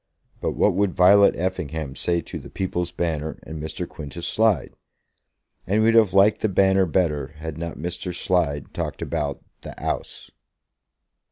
But what would Violet Effingham say to the People's Banner and Mr. Quintus Slide? And he would have liked the Banner better had not Mr. Slide talked about the 'Ouse.